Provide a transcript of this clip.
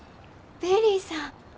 ベリーさん。